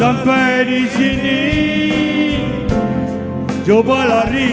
setelah kita beradu